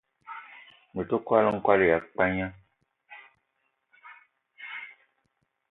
Me te kwal-n'kwal ya pagna